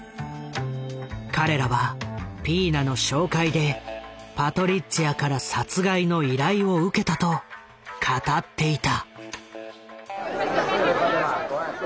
彼らはピーナの紹介でパトリッツィアから殺害の依頼を受けたと語っていた。